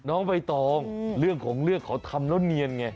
น้องใบตองเรื่องของเรื่องเขาทำแล้วเนียนไง